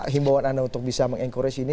himbauan anda untuk bisa mengencourage ini